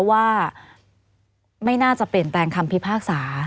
ว่าไม่น่าจะเปลี่ยนแปลงคำพิพากษา